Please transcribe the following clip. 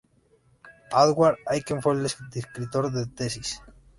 Howard Aiken fue su director de tesis.